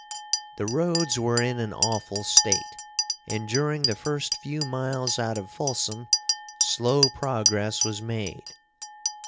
The roads were in an awful state, and during the first few miles out of Folsom slow progress was made.